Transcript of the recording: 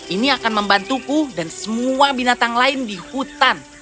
ini akan membantuku dan semua binatang lain di hutan